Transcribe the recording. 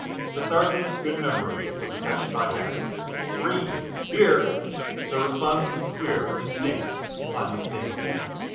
The sergeant's good memory was affected by habit: "Greene." "Here!" The response was clear, distinct, unmistakable!